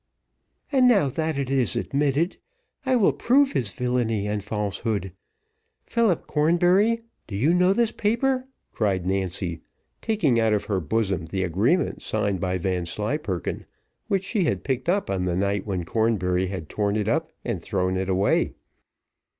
"And, now that is admitted, I will prove his villany and falsehood. Philip Cornbury, do you know this paper?" cried Nancy, taking out of her bosom the agreement signed by Vanslyperken, which she had picked up on the night when Cornbury had torn it up and thrown it away.